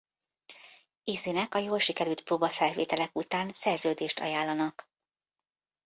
Izzynek a jól sikerült próbafelvételek után szerződést ajánlanak.